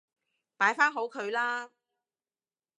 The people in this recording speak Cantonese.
擺返好佢啦